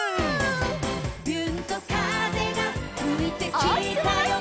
「びゅーんと風がふいてきたよ」